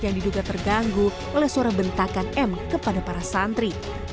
yang diduga terganggu oleh suara bentakan m kepada para santri